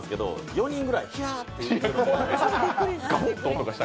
４人ぐらい、「ひゃっ」て言ってた。